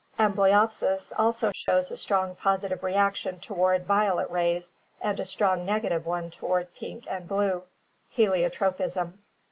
Am 378 ORGANIC EVOLUTION blyopsis also shows a strong positive reaction toward violet rays and a strong negative one toward pink and blue (heliotropism).